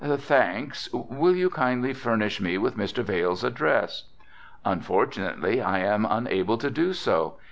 "Thanks, will you kindly furnish me with Mr. Vail's address?" "Unfortunately I am unable to do so.